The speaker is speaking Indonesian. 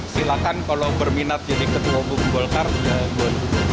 silahkan kalau berminat jadi ketua umum golkar ya dua ribu dua puluh empat